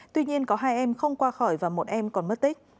tuy nhiên có hai em không qua khỏi và một em còn mất tích